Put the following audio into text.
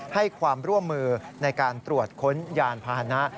ให้ความร่วมมือในการตรวจค้นยานพาหนะ